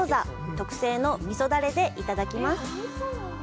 特製の味噌ダレでいただきます。